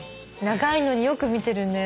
長いのによく見てるね。